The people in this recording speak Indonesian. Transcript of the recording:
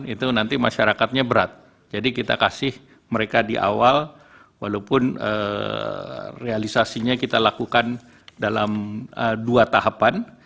itu nanti masyarakatnya berat jadi kita kasih mereka di awal walaupun realisasinya kita lakukan dalam dua tahapan